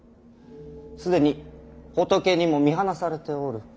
既に仏にも見放されておる。